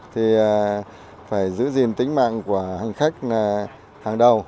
thì phải giữ gìn tính mạng của hành khách là hàng đầu